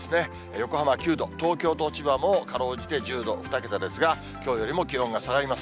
横浜９度、東京と千葉もかろうじて１０度、２桁ですが、きょうよりも気温が下がります。